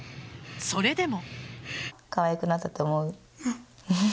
それでも。